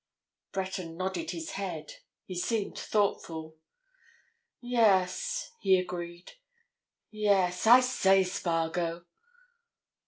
Breton nodded his head. He seemed thoughtful. "Yes," he agreed. "Yes, I say, Spargo!"